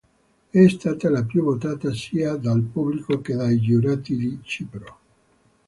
È stata la più votata sia dal pubblico che dai giurati di Cipro.